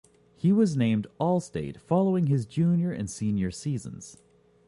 He was named All-State following his junior and senior seasons.